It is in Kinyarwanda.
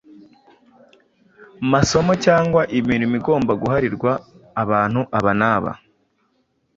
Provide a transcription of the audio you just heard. masomo cyangwa imirimo igomba guharirwa abantu aba n’aba.